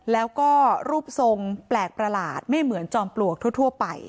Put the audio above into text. แล้วก็รูปทรงแปลกประหลาดไม่เหมือนจอมปลวกทั่วไป